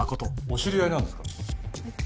お知り合いなんですか？